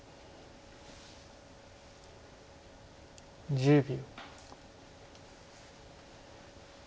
１０秒。